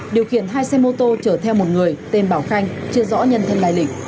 điều khiển hai xe mô tô chở theo một người tên bảo khanh chưa rõ nhân thân lai lịch